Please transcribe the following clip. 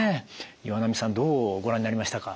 岩波さんどうご覧になりましたか。